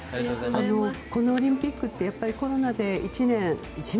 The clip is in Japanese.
このオリンピックって、やっぱりコロナで１年。